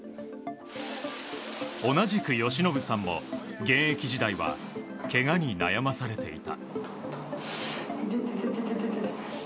同じく由伸さんも、現役時代はけがに悩まされていた。